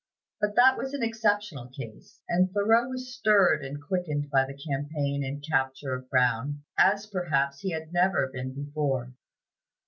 But that was an exceptional case; and Thoreau was stirred and quickened by the campaign and capture of Brown, as perhaps he had never been before.